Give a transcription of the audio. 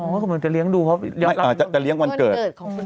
อ๋อเขาคิดว่าจะเลี้ยงดูเพราะวันเกิด